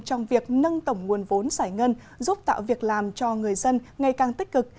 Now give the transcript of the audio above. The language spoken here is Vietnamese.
trong việc nâng tổng nguồn vốn giải ngân giúp tạo việc làm cho người dân ngày càng tích cực